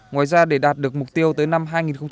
ngoài ra để đạt được mục tiêu tới năm hai nghìn ba mươi